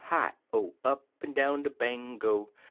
Hi O! Up'n down de Bango!)